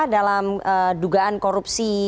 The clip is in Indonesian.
dalam dugaan korupsi